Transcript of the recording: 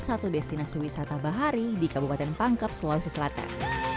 satu destinasi wisata bahari di kabupaten pangkep sulawesi selatan